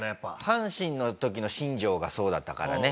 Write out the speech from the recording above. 阪神の時の新庄がそうだったからね。